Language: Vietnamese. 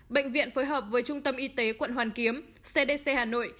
bệnh viện phối hợp với trung tâm y tế quận hoàn kiếm cdc hà nội